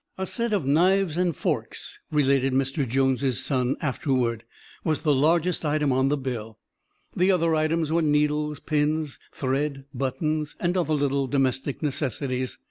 "A set of knives and forks," related Mr. Jones' son afterward, "was the largest item on the bill. The other items were needles, pins, thread, buttons, and other little domestic necessities.